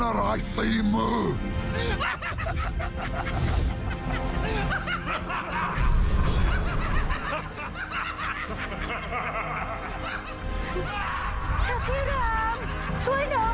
พี่รามช่วยน้องด้วย